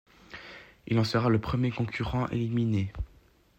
Il en sera le premier concurrent éliminé.